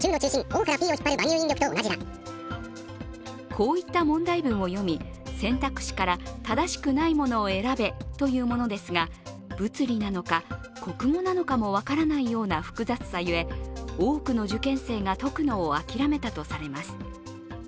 こういった問題文を読み、選択肢から正しくないものを選べというものですが物理なのか、国語なのかも分からないような複雑さゆえ多くの受験生が解くのを諦めたとされます。